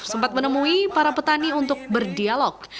sempat menemui para petani untuk berdialog